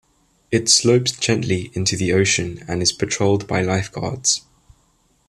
It slopes gently into the ocean and is patrolled by Life guards.